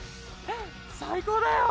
最高だよ。